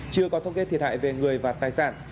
chưa có thông kê thiệt hại về người và tài sản